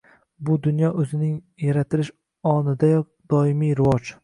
Bu dunyo o‘zining yaratilish onidayoq doimiy rivoj